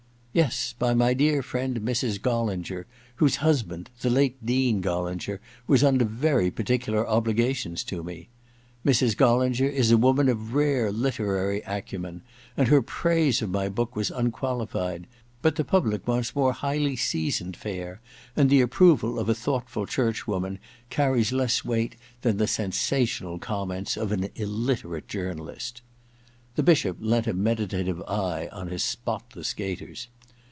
*Yes — by my dear friend Mrs. GoUingcr, whose husband, the late Dean GoUinger, was under very particular obUgations to me. Mrs. Gollinger is a woman of rare literary acumen, and her praise of my book was unqualified ; but the public wants more highly seasoned fare, and the approval of a thoughtful churchwoman carries less weight than the sensational comments of an illiterate journalist.' The Bishop bent a meditative eye on his spotless gaiters.